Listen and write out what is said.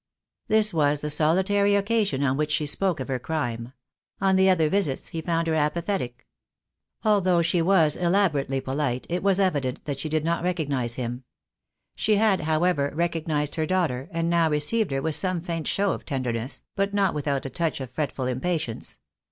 This was the solitary occasion on which she spoke of her crime. On the other visits he found her apathetic. THE DAY WILL COME. 285 Although she was elaborately polite, it was evident that she did not recognise him. She had, however, recognised her daughter, and now received her with some faint show of tenderness, but not without a touch of fretful impatience.